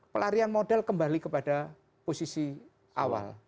pelarian modal kembali kepada posisi awal